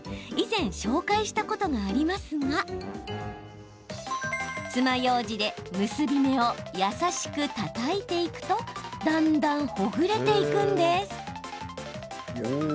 以前、紹介したことがありますがつまようじで結び目を優しくたたいていくとだんだんほぐれていくんです。